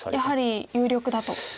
やはり有力だと。